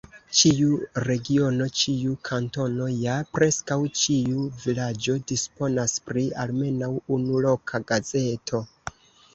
Ĉiu regiono, ĉiu kantono ja preskaŭ ĉiu vilaĝo disponas pri almenaŭ unu loka gazeto.